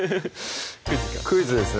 クイズですね